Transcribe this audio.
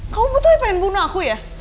kamu butuhnya pengen bunuh aku ya